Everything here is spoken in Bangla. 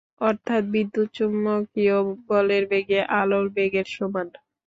অর্থাৎ বিদ্যুৎচুম্বকীয় বলের বেগে আলোর বেগের সমান।